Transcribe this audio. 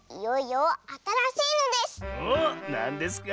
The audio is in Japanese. おっなんですか？